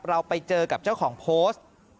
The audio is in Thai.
เราไปเจอกับเจ้าของโพสต์